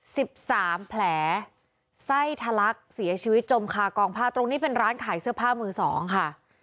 สิบสามแผลไส้ทะลักเสียชีวิตจมคากองผ้าตรงนี้เป็นร้านขายเสื้อผ้ามือสองค่ะ